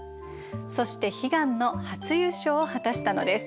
そして悲願の初優勝を果たしたのです。